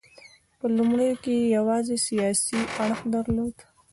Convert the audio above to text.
په لومړیو کې یې یوازې سیاسي اړخ درلود.